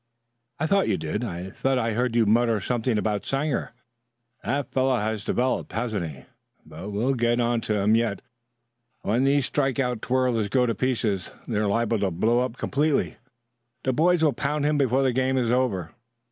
"I thought you did. I thought I heard you mutter something about Sanger. That fellow has developed, hasn't he? But we'll get onto him yet. When these strike out twirlers go to pieces, they're liable to blow up completely. The boys will pound him before the game is over."